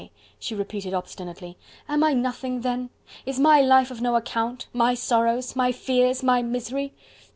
she repeated obstinately. "Am I nothing then? Is my life of no account? My sorrows? My fears? My misery?